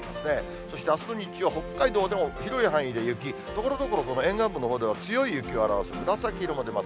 そしてあすの日中は、北海道でも広い範囲で雪、ところどころ、この沿岸部のほうでは強い雪を表す紫色も出ます。